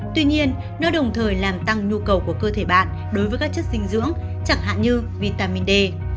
tuy nhiên nó đồng thời làm tăng nhu cầu của cơ thể bạn đối với các chất dinh dưỡng chẳng hạn như vitamin d